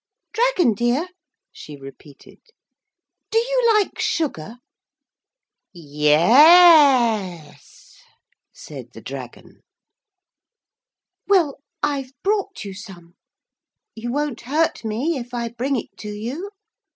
'Dragon dear,' she repeated, 'do you like sugar?' 'Yes,' said the dragon. 'Well, I've brought you some. You won't hurt me if I bring it to you?'